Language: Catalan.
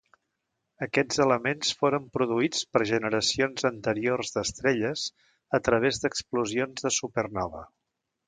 Aquests elements foren produïts per generacions anteriors d'estrelles a través d'explosions de supernova.